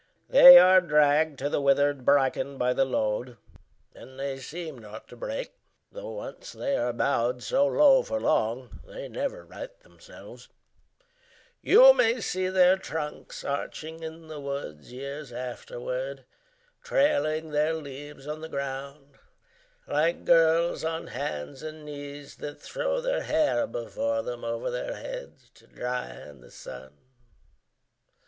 They are dragged to the withered bracken by the load, And they seem not to break; though once they are bowed So low for long, they never right themselves: You may see their trunks arching in the woods Years afterwards, trailing their leaves on the ground Like girls on hands and knees that throw their hair Before them over their heads to dry in the sun.